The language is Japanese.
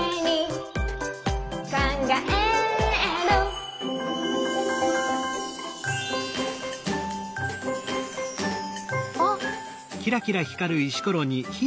「かんがえる」あっ！